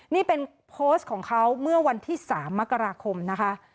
นี่เป็นโพสต์ของเขาเมื่อวันที่๓มกราคมนะคะ